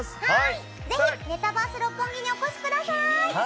ぜひメタバース六本木にお越しください！